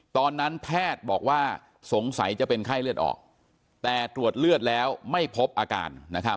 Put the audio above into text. ตอนนั้นแพทย์บอกว่าสงสัยจะเป็นไข้เลือดออกแต่ตรวจเลือดแล้วไม่พบอาการ